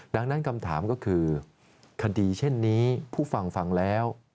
ดังนั้นคำถามก็คือคดีเช่นนี้ผู้ฟังฟังแล้ว